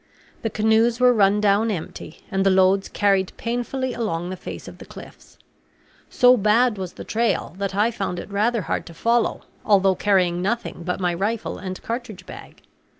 The canoes were run down empty, and the loads carried painfully along the face of the cliffs; so bad was the trail that I found it rather hard to follow, although carrying nothing but my rifle and cartridge bag.